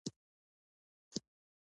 جميله ورو د دې پر لاس لاس ورکښېښود.